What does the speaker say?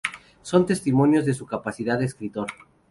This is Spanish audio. Son testimonios de su capacidad de escritor.